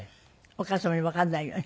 お母様にわからないように？